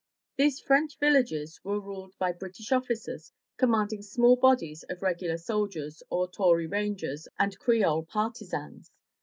These French villages were ruled by British officers commanding small bodies of regular soldiers or Tory rangers and Creole parti zans.